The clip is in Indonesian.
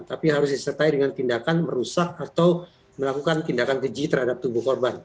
tapi harus disertai dengan tindakan merusak atau melakukan tindakan keji terhadap tubuh korban